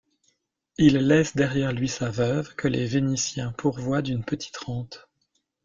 Il laisse derrière lui sa veuve, que les Vénitiens pourvoient d'une petite rente.